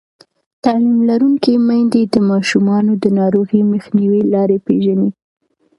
تعلیم لرونکې میندې د ماشومانو د ناروغۍ مخنیوي لارې پېژني.